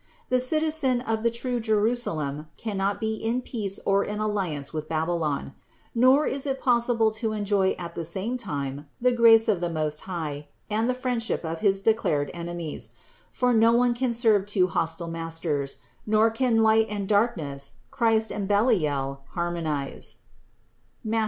The citizen of the true Jerusalem cannot be in peace or in alliance with Babylon; nor is it possible to enjoy at the same time the grace of the Most High and the friendship of his declared enemies; for no one can serve two hostile masters, nor can light and darkness, Christ and Beliel, harmonize (Matth.